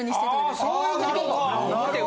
あそういうことか。